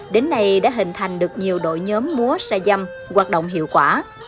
đến nay đã hình thành được nhiều đội nhóm múa xa dầm hoạt động hiệu quả